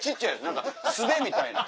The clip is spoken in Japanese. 何か素手みたいな。